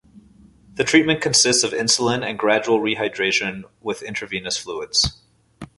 The treatment consists of insulin and gradual rehydration with intravenous fluids.